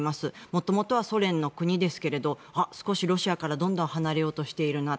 元々はソ連の国ですが少しロシアからどんどん離れようとしているな。